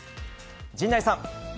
陣内さん。